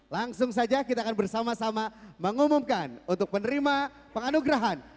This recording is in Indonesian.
langsung saja kita akan bersama sama mengumumkan untuk penerima penganugerahan